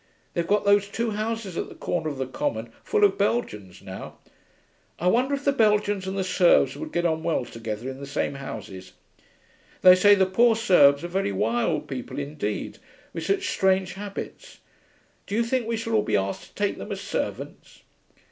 They've got those two houses at the corner of the Common full of Belgians now. I wonder if the Belgians and the Serbs would get on well together in the same houses. They say the poor Serbs are very wild people indeed, with such strange habits. Do you think we shall all be asked to take them as servants?'